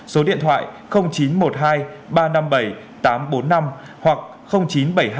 số điện thoại chín trăm một mươi hai ba trăm năm mươi bảy tám trăm bốn mươi năm hoặc chín trăm bảy mươi bảy